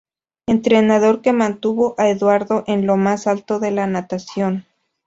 Entrenador que mantuvo a Eduardo en lo más alto de la natación.